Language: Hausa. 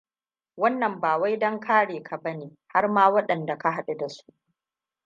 Wannan bawai don kare ka bane, harma waɗanda ka haɗu dasu.